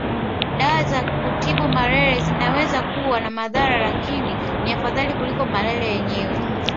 Dawa za kutibu malaria zinaweza kuwa na madhara lakini ni afadhali kuliko malaria yenyewe